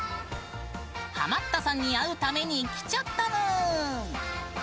ハマったさんに会うために来ちゃったぬーん！